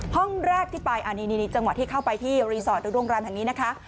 ห้องแรกที่ไปอันนี้จังหวะที่เข้าไปที่รีสอร์ทหรือโรงแรมแห่งนี้นะคะ